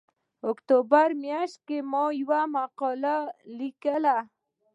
اکتوبر میاشت کې ما په یوه مقاله کې ولیکل